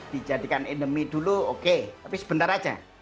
dijadikan endemi dulu oke tapi sebentar aja